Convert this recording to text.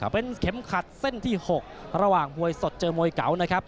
เป็นเข็มขัดเส้นที่๖ระหว่างมวยสดเจอมวยเก่านะครับ